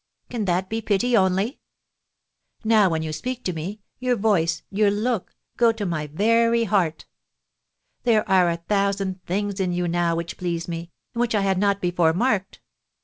Can that be pity only? Now, when you speak to me, your voice, your look, go to my very heart. There are a thousand things in you now which please me, and which I had not before marked.